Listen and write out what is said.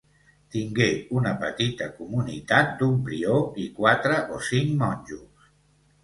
Tingué una petita comunitat d'un prior i quatre o cinc monjos.